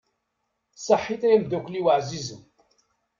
Saḥit ay amdakkel-iw ɛzizen.